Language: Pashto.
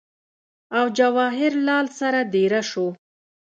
او جواهر لال سره دېره شو